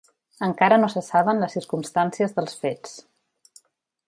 Encara no se saben les circumstàncies dels fets.